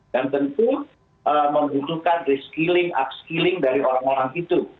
dan tentu membutuhkan reskilling upskilling dari orang orang itu